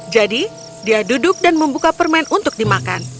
jadi dia duduk dan membuka permen untuk dimakan